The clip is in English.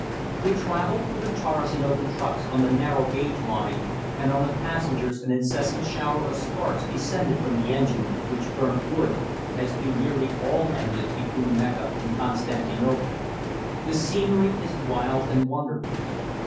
We traveled through the Taurus in open trucks on the narrow gauge line, and on the passengers an incessant shower of sparks descended from the engine, which burnt wood, as do nearly all engines between Mecca and Constantinople. The scenery is wild and wonderful.